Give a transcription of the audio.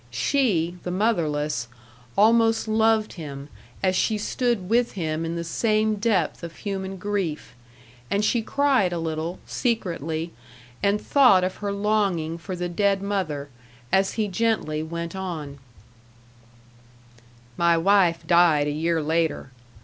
She, the motherless, almost loved him as she stood with him in the same depth of human grief. And she cried a little, secretly, and thought of her longing for the dead mother, as he gently went on: "My wife died a year later.